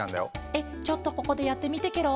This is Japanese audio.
えっちょっとここでやってみてケロ。